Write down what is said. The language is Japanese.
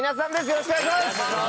よろしくお願いします。